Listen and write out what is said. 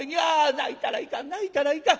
泣いたらいかん泣いたらいかん。